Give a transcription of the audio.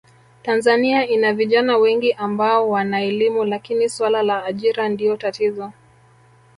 Tanzania ina vijana wengi ambao wanaelimu lakini Suala la ajira Ndio tatizo